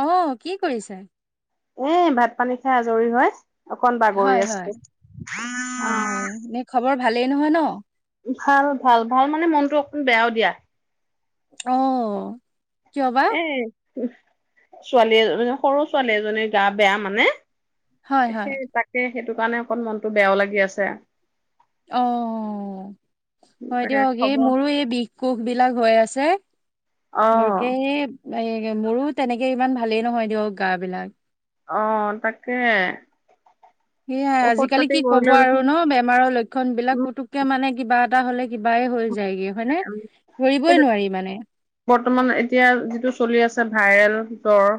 অ কি কৰিছে। এ ভাত -পানী খাই আজৰি হৈ অকন হয়, বাগৰি হয়, আছো অ। হয়, হয়, নে খবৰ ভালেই নহয় ন। ভাল -ভাল -ভাল-ভাল মানে মনতটো অকমান বেয়াও দিয়া। অহ কিয় বা? উম ছোৱালী এজ এজনী সৰু ছোৱালী এজনীৰ গা বেয়া মানে হয়, হয়, সেই তাকে সেইটো কাৰণে অকণ মনতটো বেয়াও লাগি আছে। অ হয় তাকে দিয়ক এই খবৰ মোৰো এই বিষ কোষ বিলাক হৈ আছে অ বৰকে সেই মোৰো তেনেকে ইমান ভালেই নহয় দিয়ক গা বিলাক। অ তাকে সেয়াই ঔষধ আজিকালি পাতি কি কব কৰিলেও আৰু দেখোন ন বেমাৰৰ লক্ষণ বিলাক উম পতুককে মানে কিবা এটা হ'লে কিবাই হৈ যায়গে হয়নে, এইটো ধৰিবই নোৱাৰি মানে বৰ্তমান এতিয়া যিটো চলি আছে ভাইৰেল জ্বৰ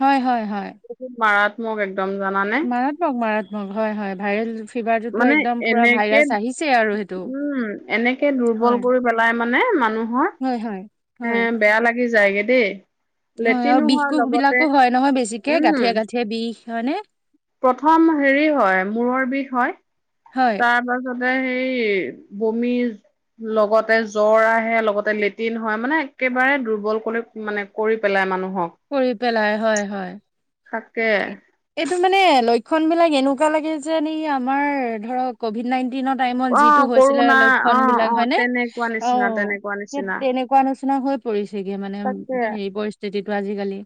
হয় হয় হয়। বহুত মাৰাত্মক একদম জানানে মাৰাত্মক মাৰাত্মক হয় হয় ভাইৰেল ফিভাৰটোতো মানে একদম পুৰা এনেকে ভাইৰাছ আহিছেই আৰু সেইটো, উম এনেকে হয়। দুৰ্বল কৰি পেলাই। মানে মানুহৰ হয় হয় হয় এ বেয়া লাগি যায়গে দেই। হয় আৰু লেট্ৰিনো বিষ কোষ লগতে বিলাকো হয় নহয় বেছিকে উম, গাঁঠিয় গাঠিয়ে বিষ হয়নেে প্ৰথম হেৰি হয় মূৰৰ বিষ হয় হয় তাৰ পাছত সেই বমিজ লগতে জ্বৰ আহে লগতে লেটিন হয় মানে একেবাৰে দুৰ্বল কৰি মানে কৰি পেলাই মানুহ কৰি পেলাই হয় হয় তাকে এইটো মানে লক্ষ খন বিলাক এনেকুৱা লাগে যে আমাৰ ধৰক কভিড নাই দিনৰ টাইমত যিটো অ', হৈছিলে কৰোণা লক্ষণ অ', বিলাক অ', হয় ন তেনেকুৱা অ নিচিনা তেনেকুৱা সেই নিচিনা তেনেকুৱা আচনা হৈ পৰিছিগি মানে তাকে হেৰি পৰিস্থিতিটো আজিকালি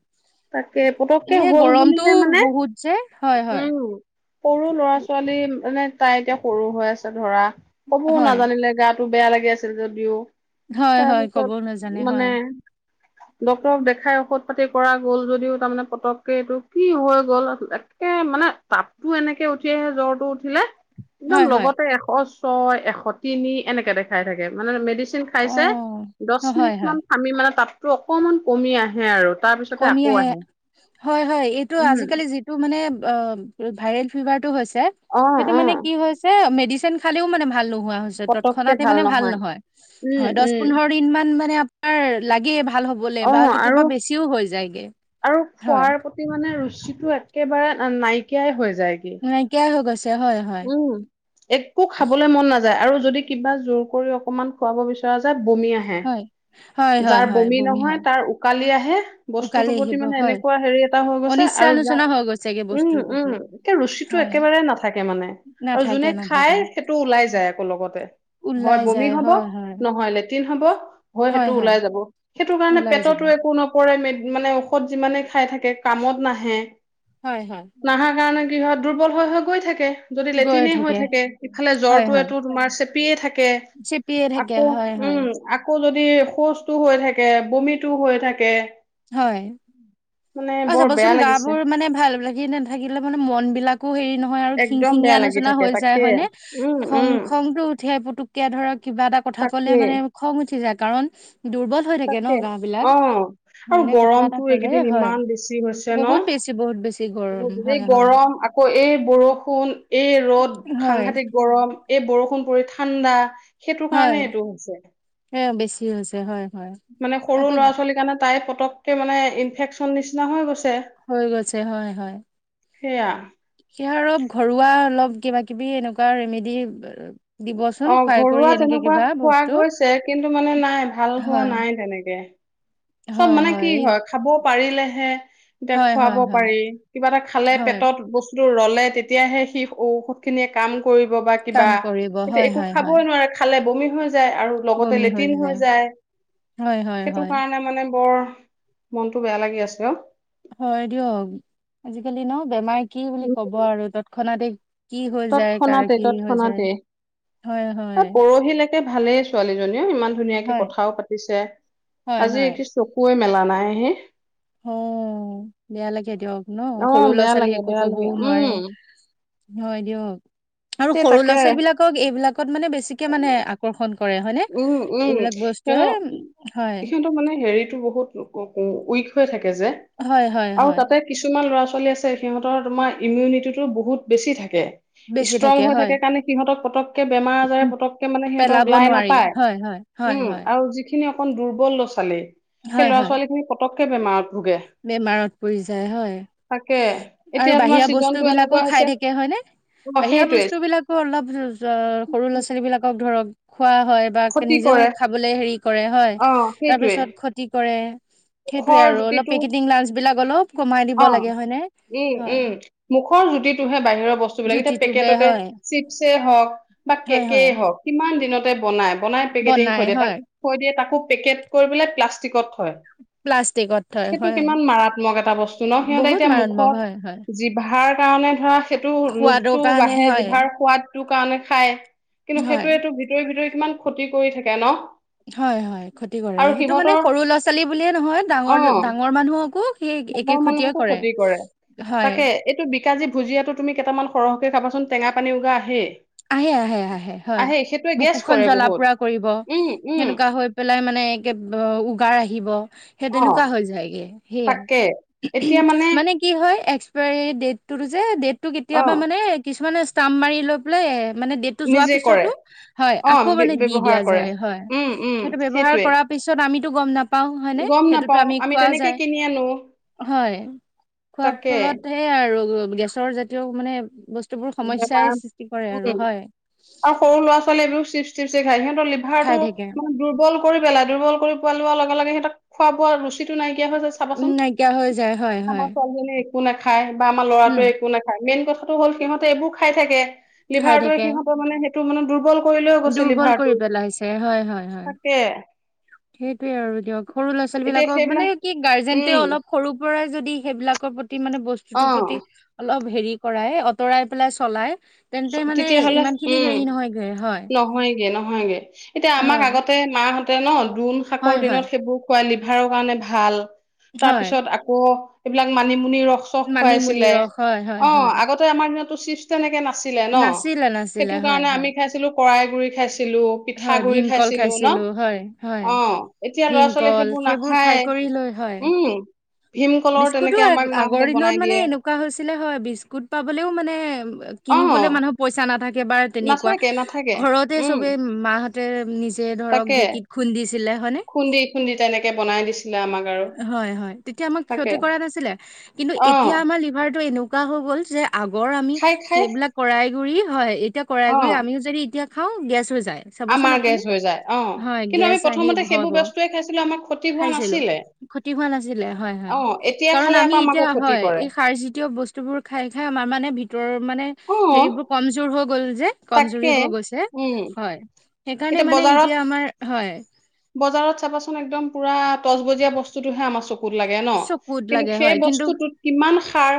তাকে পতককে হ'ল বুলিলে ব মানে বহুত যে হয় হয় উম, সৰু লৰা ছোৱালী মানে তাই এতিয়া সৰু হৈ আছে ধৰা কবও হয় নাজানিলে গাত টো বেয়া লাগি আছিল যদিও হয় হয় ক'ব নাজানে তাৰপিছত হয় মানে ডক্তৰক দেখাই ঔষধ পাতি কৰা। গ'ল যদিও তাৰমানে পতককে এইটো কি হৈ গ'ল একে মানে তাপটো এনেকে উঠি আহে। চ তো উঠিলে একদম হয় হয় লগতে এশ ছয় এশ তিনি এনেকে দেখাই থাকে মানে মেডিসিন অ খাইছে দহ হয় মিনিট হয় মান খামি মানে তাততটো অকমান কমি আহে আৰু তাৰপিছতে কমি হয় হয় এইটো আজিকালি যিটো মানে ভাইৰেল ফিভাৰ টো হৈছিলে অ', সেইটো মানে অ', কি হৈছে মেডিচিন খালেও মানে ভাল ন তৎক্ষণাৎ মানে ভাল নহয় উম, দহ উম। পন্দৰ দিন মানে লাগে ভাল হ'বলে অ বা আৰু কেতিয়াবা বেছ আৰু খোৱাৰ প্ৰতি মানে ৰুচিটো একেবাৰে নাইকিয়াই হৈ যায়। নাইকিয়াই হৈ গৈছে হয় হয় উম একো খাবলৈ মন নাযায় আৰু। যদি কিবা জোৰ কৰি অকমান খুৱাব বিচৰা যায় বমি আহে হয় হয় হয় যাৰ হয় বমি নহয় হয় নহয় তাৰ উকালি আহে। উকালি বস্তুতৰ প্ৰতি আহিব মানে হয় এনেকুৱা হেৰি এটা হৈ গৈছে অনিচ্ছা আৰু যাৰ, আলোচনা হৈ গৈছেগে উম বস্তুৰ প্ৰতি উম একে ৰুচি টো হয় একেবাৰে নাথাকে মানে, আৰু যোনে নাথাকে খাই নাথাকে সেইটো ওলাই যায় আকৌ লগতে। হয় ওলাই বমি যায় হ'ব হয় হয় নহয় লেটিন হ'ব হয় সেইটো ওলাই যাব সেইটো কাৰণে ওলাই যাব পেটতো একো নপৰে মে মানে ঔষধ যিমানে খাই থাকে কামত নাহে হয় হয় নাহা কাৰণে কি হয় দুৰ্বল হৈ হৈ গৈ থাকে। যদি লেটিনে হৈ থাকে ইফালে হয় হয় জ্বৰটোৱেটো তোমাৰ চেপিয়ে থাকে। চেপিয়ে থাকে আকৌ হয় হয় উম আকৌ যদি শৌচটো হৈ থাকে বমিতটো হৈ থাকে। হয়। মানে অ বৰ বেয়া চাবচোন গা লাগিছে, বোৰ মানে ভাল লাগি নাথাকিলে মানে মন বিলাকো হেৰি নহয় খিং একদম খিংঙিয়া বেয়া লাগি আলোচনা থাকে হয় যায় তাকে হয়নে উম, খং উম। খংটো উঠে কথা ক'লে তাকে মানে খং উঠি যায় কাৰণ দুৰ্বল হৈ থাকে তাকে ন' গা বিলাক অ আৰু মনে কথা এটা গৰমটো ক'লে এইকেইদিন হয়। ইমান বেছি হৈছে ন বহুত বেছি বহুত বেছি গৰম এই হয় হয় গৰম আকৌ এই বৰষুণ এই ৰ'দ হয় সাংঘাতিক গৰম এই বৰষুণ পৰি ঠাণ্ডা সেইটো হয় কাৰণে এইটো হৈছে। এ বেছি হৈছে হয়। হয় মানে সৰু আকৌ ল'ৰা ছোৱালীৰ কাৰণে তাই পতকে মানে ইনফেকচন নিচি হৈ গৈছে হয় হয় সেয়া সেই অলপ ঘৰুৱা অলপ কিবা কিবি এনেকুৱা ৰেমেডি দিবচোন অ খুৱাই কৰি ঘৰুৱা এনেকে তেনেকুৱা কিবা খোৱা বস্তু গৈছে কিন্তু মানে নাই ভাল হোৱা হয়। নাই তেনেকে [inaudible] চব মানে কি হয় খাব পাৰিলেহে এতিয়া হয় খুৱাব হয় হয় পাৰি কিবা এটা খালে হয় পেটত বস্তু ৰলে তেতিয়াহে সি ঔষধ খিনিয়ে কাম। কৰিব বা কিবা কাম কৰিব এতিয়া হয় একো হয় হয় খাবই নোৱাৰে খালে বমি হৈ লগতে বমি লেটিন হৈ যায় যাই‌ হয় হয় সেইটো হয় কাৰণে মানে বৰ মনতটো বেয়া লাগি আছে অ হয় দিয়ক আজিকালি ন' বেমাৰ কি বুলি ক'ব আৰু তৎক্ষণাতে কি হৈ যায় কাৰ, তৎক্ষণাতে কি হৈ যায় তৎক্ষণাতে হয়-হয়। কালি ভালেই ছোৱালীজনীও ইমান ধুনীয়াকে কথাও পাতিছে, হয় আজি হয় এইটো চকুৱে মেলা নাইহে অ' বেয়া লাগে দিয়ক ন অ সৰু বেয়া ল'ৰা-ছোৱালী লাগে একো বেয়া কবও লাগে উম নোৱাৰে। হয় দিয়ক আৰু তে সৰু তাকে ল'ৰা-ছোৱালী বিলাকক এইবিলাকত মানে বেছিকে মানে আকৰ্ষণ। কৰে হয়নে? উম-উম এইবিলাক বস্তুৱে সিহঁতৰ, হয় সিহঁতৰ মানে হেৰিতটো বহুত উইক হৈ থাকে যে হয় হয় আৰু হয় তাতে কিছুমান ল'ৰা- ছোৱালী। চলি আছে সিহঁতৰ তোমাৰ ইমিউনিটিটো বহুত বেছি থাকে বেছি ষ্ট্ৰং হৈ হয় থাকে কাৰণে সিহঁতক পতকে বেমাৰ আজাৰে উ পতকে মানে পেলাব সিহঁতক লাই নাপাই নোৱাৰি হয় হয় হয় হয় সেইখিনি অকন দুৰ্বল লৰা-ছোৱালী সেই হয় ল'ৰা হয় ছোৱালী খিনি পটকে বেমাৰ বেমাৰত পৰি যায় হয় তাকে আৰু এতিয়া তোমাৰ বাহিৰা বস্তু ছিজনটো বিলাকো এনেকুৱা হৈছে খাই থাকে হয় নে। অ বাহিৰা সেইটোৱে বস্তু বিলাকো অলপ সৰু ল'ৰা ছোৱালী বিলাকক ধৰক খোৱা হয় বা ক্ষতি নিজেও কৰে খাবলে হেৰি কৰে হয়, অ তাৰ সেইটোৱে পিছত ক্ষতি কৰে। সেইটোয়ে মুখৰ আৰু অলপ জুতিটো পেকেটিং লাঞ্চ বিলাক অলপ কমাই দিব অ লাগে হয়নে। উম হয় উম মুখৰ জুতিটোহে বাহিৰৰ বস্তুবিলাক এতিয়া জুতিটোহে পেকেটতে হয় চিপছে হওক বা হয় হয় কেকেই হওক কিমান দিনত। বনাই বনাই পেকেটিং বনাই থৈ দিয়ে তাক হয় থৈ দিয়ে তাকো পেকেট কৰি পেলাই প্লাষ্টিকত প্লাষ্টিকত থয় সেইটো হয় কিমান মাৰাত্মক এটা বস্তু। সিহঁতে বহুত এতিয়া মাৰাত্মক মুখত হয় হয় জিভাৰ কাৰণে ধৰা সেইটো সোৱাদৰ লোভটো কাৰণে বাঢ়ে হয় জিভাৰ সোৱাদটো কাৰণে খাই কিন্তু হয় সেইটোৱেটো ভিতৰি ভিতৰি কিমান ক্ষতি কৰি থাকে ন'। হয়-হয় ক্ষতি কৰে, আৰু সেইটো মানে সিহঁতৰ সৰু ল'ৰা-ছোৱালী বুলিয়ে নহয় ডাঙৰ অ', ডাঙৰ মানুহকো সেই একে ডাঙৰ ক্ষতিয়ে মানুহকো ক্ষতি কৰে হয় তাকে এইটো বিকাজি ভুজিয়াটো তুমি কেইটামান সৰহকে খাবাচোন, টেঙা পানী উগাৰ আহে। আহে আহে আহে হয় সেইটোৱে গেছ বুকুখন কৰে জ্বলা বহুত। পুৰা কৰিব উম, উম, সেনেকুৱা হৈ পেলাই মানে একে উগাৰ আহিব সেই তেনেকুৱা অ', হৈ যায়গে সেইয়াই তাকে। মানে কি হয়। ডেটতো যে ডেটটো কেতিয়াবা অ', মানে কিছুমানে ষ্টাম্প মাৰি লৈ পেলাই মানে ডেটটো যোৱাৰ নিজে কৰে। পিছতো হয় অ', আকৌ ব্য- মানে দি ব্যৱহাৰ দিয়া কৰে। যায় হয় উম, উম, সেইটো ব্যৱহাৰ সেইটোৱে। কৰাৰ পিছত আমি পাও হয়নে গম সেইটোতো নাপাও আমি খোৱা তেনেকে যায়। কিনি আনো। হয় খোৱাৰ তাকে ফলত হে আৰু গেছৰ জাতীয় মানে বস্তুবোৰ সমস্যা বেমাৰ উম' আৰু সৰু ল'ৰা-ছোৱালীয়ে এইবোৰও চিপ- চিপচ খায় সিহঁতৰ খাই লিভাৰটো থাকে মানে দুৰ্বল। কৰি পেলাই দুৰ্বল কৰি পোৱা লোৱাৰ লগে-লগে সিহঁতৰ খোৱা-বোৱা ৰুচিটো নাইকিয়া হৈছে উম চাবাচোন নাইকিয়া হৈ যায় হয় হয় আমাৰ ছোৱালীজনী। একো নাখায় বা আমাৰ উম ল'ৰাটোৱে একো নাখায় মেইন কথাটো হ'ল সিহঁতে এইবোৰ খাই থাকে। খাই লিভাৰটোৱে থাকে সিহঁতৰ মানে সেইটো মানে দুৰ্বল। কৰি লৈ গৈছে দুৰ্বল কৰি লিভাৰটো পেলাইছে হয় হয় হয় তাকে সেইটোয়ে আৰু দিয়ক সৰু ল'ৰা-ছোৱালী এতিয়া বিলাকক মানে সেইবিলাক কি গাৰ্জেন্টেও উম অলপ সৰুৰ পৰাই যদি সেইবিলাকৰ প্ৰতি মানে অ বস্তুটোৰ প্ৰতি অলপ হেৰি কৰাই আঁতৰাই পেলাই চলাই তেন্তে মানে তেতিয়াহ'লে ইমান খিনি উম হেৰি নহয়গৈ হয়। নহয়গে নহয়গে, এতিয়া আমাক হয় আগতে মাহঁতে ন' দোন শাকৰ হয় দিনত হয় সেইবোৰ খুৱালিব ভাল হয় তাৰপিছত আকৌবিলাক মান আপুনি ৰস চস মানিমুনি খুৱাইছিলে ৰস হয় হয় অ', হয় আগতে আমাৰ দিনত চিপছ তেনেকে নাছিলে ন' নাছিলে নাছিলে সেইটো হয় কাৰণে হয় আমি খাইছিলো কৰাই গুৰি খাইছিলো হয় পিঠাগুৰি ভীমকল ন খাইছিলো হয় হয় অ এতিয়া ল'ৰা ছোৱালীয়ে ভীমকল সেইবোৰ নাখায় খাই কৰি লৈ হয় হয়। উম ভীমকলৰ বিস্কুতো তেনেকে আমাক আগৰ মাহঁতে দিনত বনাই মানে দিয়ে এনেকুৱা হৈছিলে হয় বিস্কুট পাবলেও মানে অ কিনলৈ মানুহ পইচা নাথাকে একেবাৰ তেনেকুৱা নাথাকে নাথাকে ঘৰতে উম চবেই মাহঁতে নিজে ধৰক তাকে ঢেঁকীত খুন্দিছে। খুন্দি খুন্দি তেনেকে বনাই দিছিলে আমাক আৰু হয় হয় তেতিয়া আমাক থাকে ক্ষতি কৰা নাছিলে কিন্তু অ এতিয়া আমাৰ লিভাৰটো এনে [unintelligible] হৈ গ'ল যে আগৰ আমি খাই খাই সেইবিলাক কৰাইগুৰি হয় এতিয়া অ কৰাইগুৰি আমিও যদি এতিয়া হ গেছো যায় চাবচোন আমাৰ আপুনি গেছ হৈ যায় অ হয় কিন্তু আমি গেছ আহি প্ৰথমতে সেইবোৰ হব বস্তুৱে খাইছিলো আমাৰ ক্ষতি হোৱা খাইছিলো নাছিলে ক্ষতি হোৱা নাছিলে হয় হয় অ এতিয়া কাৰণ খালে আমি আকৌ আমাকো এতিয়া ক্ষতি হয় কৰে এই সাৰজাতীয় বস্তুবোৰ খাই খাই আমাৰ মানে ভিতৰৰ মানে অ হেৰিবোৰ কমজোৰ হৈ গ'ল যে কমজৰি তাকে হৈ গৈছে উম হয়। সেইকাৰণে এতিয়া মানে বজাৰত আমাৰ হয় বজাৰত চাবাচোন একদম পুৰা তচবজীয়া বস্তুটোহে আমাৰ চকুত লাগে ন চকুত কিন্তু লাগে সেই হয় কিন্তু বস্তুটোত কিমান সাৰ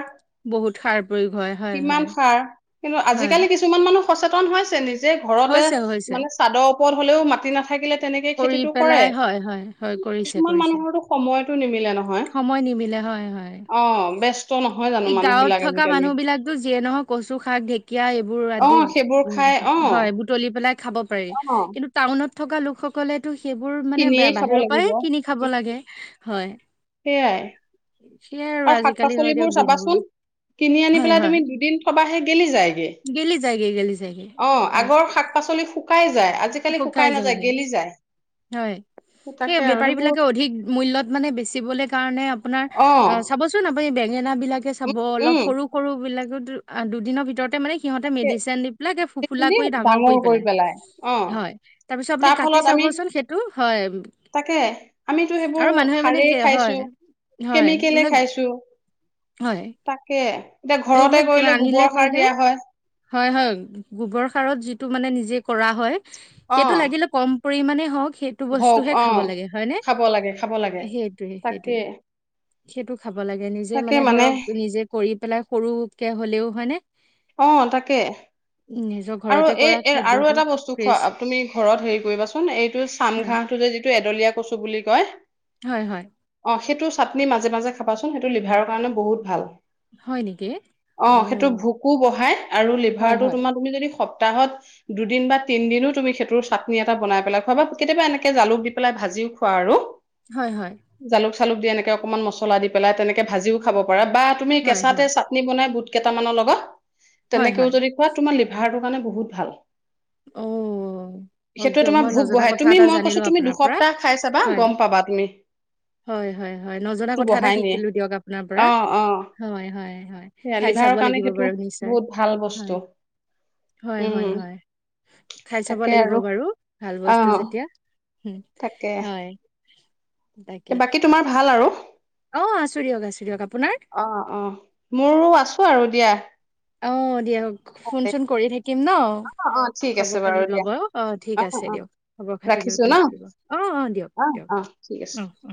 বহুত সাৰ প্ৰয়োগ হয় হয় কিমান হয় সাৰ কিন্তু হয় আজিকালি কিছুমান মানুহ সচেতন হৈছে নিজে ঘৰতে হৈছে হৈছে মানে ওৰত হলেও মাতি নাথাকিলে তেনেকে কৰি খেতিটো কৰে পেলাই হয় হয় হয় কৰিছে কিছুমান কৰিছে মানুহৰতো সময়তো নিমিলে নহয় সময় নিবিলে হয় হয় অ ব্যস্ত নহয় জানো এই মানুহ গাঁৱত বিলাক থকা আজিকালি মানুহ বিিলাকতো যিয়ে নহয় কচু শাক ঢেকীয়া এইবোৰ অ আদি সেইবোৰ উ খাই অ হয় এই বুতলি পেলাই খাব। অ কিন্তু টাউনত থকা লোকসকলে টো সেইবোৰ মানে কিনিয়ে খাব বাহিৰৰ লাগিব পৰাই কিনি খাব লাগে হয়। সেইয়াই সেইয়াই আৰু শাক আজিকালি হয় পাচলিবোৰ দিয়ক দিনবোৰ চাবাচোন। কিনি আনি হয় পেলাই হয় তুমি দুদিন থবাহে গেলি যায়গে, গেলি যায়গে গেলি যায়গে অ', হয় আগৰ শাক পাচলি য আজিকালি শুকাই নাযায় গেলি যায় হয় সেই তাকে আৰু বেপাৰী সেইবোৰ বিলাকে অধিক মূল্যত মানে বেচিবলৈ কাৰণে আপোনাৰ অ চাবচোন আপুনি বেঙেনা বিলাকে উম চাব উম অলপ সৰু সৰু বিলাকত দুদিনৰ ভিতৰতে মানে সিহঁতে সে- মেডিচিন দি পেলাইে ফোফুলা কৰি ডাঙৰ কৰি পেলাই হয় তাৰ পিছত আপুনি কাটি ফলত আমি চাবচোন সেইটো হয়। তাকে আমিতো আৰু সেইবোৰ মানুহে মানে সাৰ কি হয় খাইছো হয় কেমিকলে এইবিলাক খাইছো। হয় তাকে এতিয়া ঘৰতে এইবিলাক কিবা কৰিলে আনিলে গোবৰ সাৰ কৰিলেও দিয়া হয় হয় হয় গব সাৰত যিটো মানে নিজে কৰা হয় অ সেইটো লাগিলে কমে হক সেইটো হওক বস্তুহে অ খাব লাগে হয় ন খাব লাগে খাব লাগে সেইটোোৱে তাকে সেইটোোৱে সেইটো খাব লাগে নিজে মানে ধৰক নিজে কৰি পেলাই সৰুকে হলেও হয় নে অ', তাকে। নিজৰ আৰু ঘৰতে এই কৰা এ আৰু খাদ্যটো এটা বস্তু ফ্ৰেছ খোৱা তুমি ঘৰত হেৰি কৰিবাচোন এইটো হয় চামঘাঁহটো যে যিটো এডলীয়া কচু বুলি কয়। হয় হয় অ', সেইটো চাটনি মাজে মাজে খাবাচোন সেইটো লিভাৰৰ কাৰণে বহুত ভাল। হয় নেকি অ সেইটো ভোকো বঢহাই আৰু হয় লিভাৰতটো হয় তোমাৰ তুমি যদি সপ্তাহত দুদিন বা তিনদিনো তুমি সেইটোৰ চাটনি এটা বনাই পেলাই খোৱা বা কেতিয়াবা এনেকে জালু পেলাই ভাজিও খোৱা আৰু হয় হয় জালুক দি এনেকৈ অকণমান মছলা দি পেলাই তেনেকৈ ভাজিও খাব পাৰে বা তুমি হয় হয় কেঁচাতে চাটনি বনাই বুট কেইটামানৰ লগত হয় তেনেকেও হয় যদি খোৱা তোমাৰ লিভাৰটোৰ কাৰণে বহুত ভাল অ। হওক সেইটোৱে দিয়ক তোমাৰ মই ভোক নজনা বঢ়াই কথা তুমি এটা মই কৈছো জানিলো তুমি আপোনাৰ পৰা দুসপ্তাহ খাই চাবা হয় গম পাবা তুমি হয় হয় হয় নজনা ভোকটো কথা এটা বঢ়াই নিয়ে শিকিলো দিয়ক আপোনাৰ পৰা অ অ হয় হয় হয় সেয়া খাই চাব লিভাৰৰ কাৰণে লাগিব সেইটো বাৰু নিশ্চয় বহুত ভাল বস্তু হয়। হয় উম হয় হয় খাই চাব তাকে লাগিব আৰু বাৰু ভাল অ বস্তু যেতিয়া। উম তাকে হয় তাকে বাকী তোমাৰ ভাল আৰু। অ আছো দিয়ক আছো দিয়ক আপোনাৰ অ অ মোৰো আছো আৰু দিয়া। অ দিয়াক অ ফোন চোন কৰি থাকিম ন অ ঠিক আছে খবৰ বাৰু খাতি দিয়া লব অ অ ঠিক আছে দিয়ক খবৰ খাতি লৈ ৰাখিছো ন কৰি থাকিব অ অ দিয়ক দিয়ক। অ ঠিক আছে অ অ